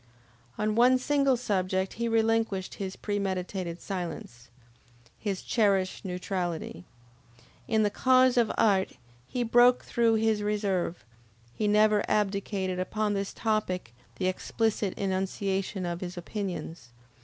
On one single subject he relinquished his premeditated silence, his cherished neutrality. In the cause of art he broke through his reserve, he never abdicated upon this topic the explicit enunciation of his opinions.